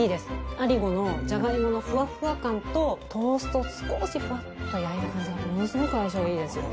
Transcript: アリゴのジャガイモのふわふわ感とトーストを少しふわっと焼いた感じがものすごく相性いいです。